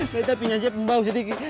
meta punya siap membawa sedikit